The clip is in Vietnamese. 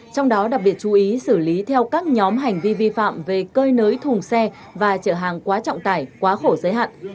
trong đó đặc biệt chú ý xử lý theo các nhóm hành vi vi phạm về cơi nới thùng xe và chở hàng quá trọng tải quá khổ giới hạn